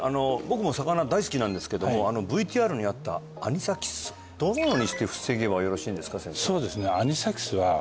僕も魚大好きなんですけどもＶＴＲにあったアニサキスどのようにして防げばよろしいんですか？